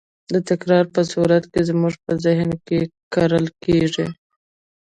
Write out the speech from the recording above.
د تکرار په صورت کې زموږ په ذهن کې کرل کېږي.